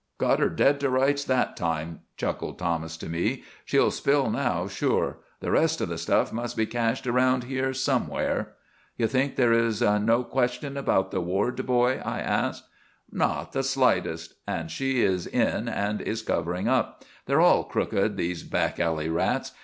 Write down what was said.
"Got her dead to rights that time," chuckled Thomas to me. "She'll spill now sure. The rest of the stuff must be cached around here somewhere." "You think there is no question about the Ward boy?" I asked. "Not the slightest. And she is in and is covering up. They're all crooked, these back alley rats.